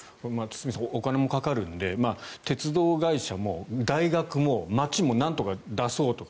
堤さんお金もかかるので鉄道会社も大学も町もなんとか出そうと。